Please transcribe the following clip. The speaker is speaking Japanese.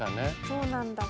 そうなんだ。